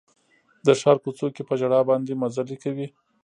د ښار کوڅو کې په ژړا باندې مزلې کوي